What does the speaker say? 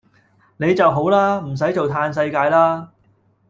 你就好啦！唔駛做嘆世界啦